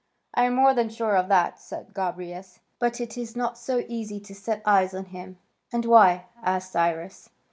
"I am more than sure of that," said Gobryas, "but it is not so easy to set eyes on him." "And why?" asked Cyrus.